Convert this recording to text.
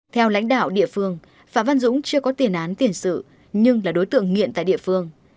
theo lãnh đạo địa phương phạm văn dũng chưa có tiền án tiền sự nhưng là đối tượng nghiện tại địa phương